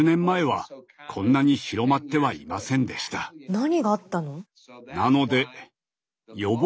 何があったの？